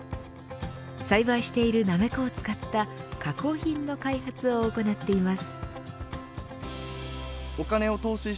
栽培しているなめこを使った加工品の開発を行っています。